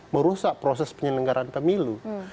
merusak proses penyelenggaraan pemilu